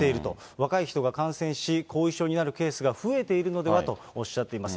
若い人が感染し、後遺症になるケースが増えているのではとおっしゃっています。